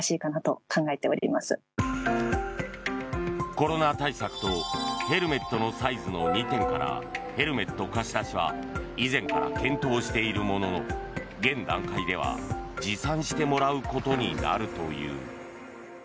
コロナ対策とヘルメットのサイズの２点からヘルメット貸し出しは以前から検討しているものの現段階では持参してもらうことになるという。